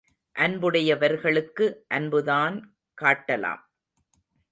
அன்புடையவர்களுக்கு அன்புதான் காட்டலாம்.